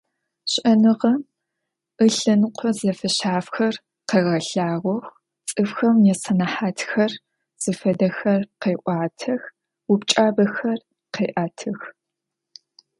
ЩыӀэныгъэм ылъэныкъо зэфэшъхьафхэр къегъэлъагъох, цӀыфхэм ясэнэхьатхэр зыфэдэхэр къеӀуатэх, упчӀабэхэр къеӀэтых.